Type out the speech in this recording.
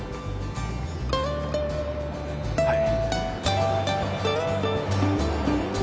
はい。